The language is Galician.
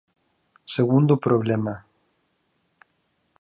Segundo problema.